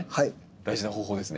大事な方法ですね。